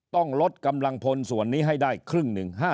ต้องลดกำลังพลส่วนนี้ให้ได้ครึ่งหนึ่ง